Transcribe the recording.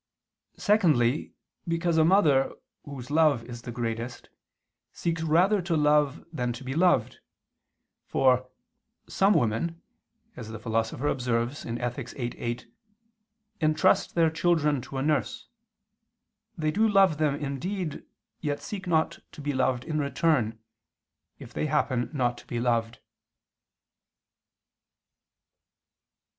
Secondly, because a mother, whose love is the greatest, seeks rather to love than to be loved: for "some women," as the Philosopher observes (Ethic. viii, 8) "entrust their children to a nurse; they do love them indeed, yet seek not to be loved in return, if they happen not to be loved."